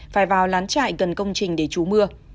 phải vào lán trại gần công trình để trú mưa